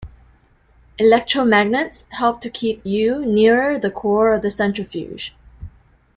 Electromagnets helped to keep U nearer the core of the centrifuge.